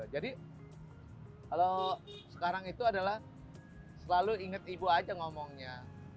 jadi kalau sekarang itu adalah selalu ingat ibu aja ngomongnya